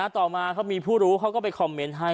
ต่อมาเขามีผู้รู้เขาก็ไปคอมเมนต์ให้